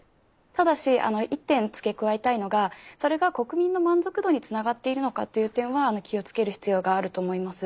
ただし一点付け加えたいのがそれが国民の満足度につながっているのかっていう点は気をつける必要があると思います。